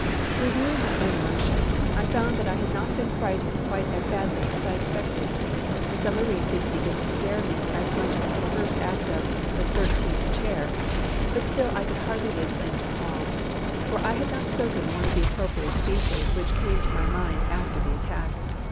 Reviewing my own emotions, I found that I had not been frightened quite as badly as I expected. The submarine didn't begin to scare me as much as the first act of "The Thirteenth Chair," but still I could hardly lay claim to calm, for I had not spoken one of the appropriate speeches which came to my mind after the attack.